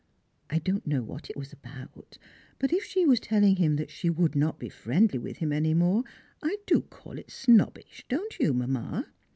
I don't know what it was about, but if she was telling him she would not be friendly with him any more, I do call it snobbish, don't you, Mamma?